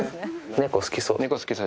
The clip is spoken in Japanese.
猫好きそう。